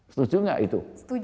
setuju gak itu